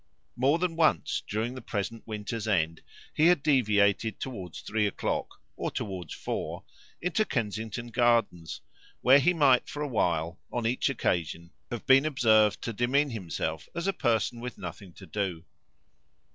More than once during the present winter's end he had deviated toward three o'clock, or toward four, into Kensington Gardens, where he might for a while, on each occasion, have been observed to demean himself as a person with nothing to do.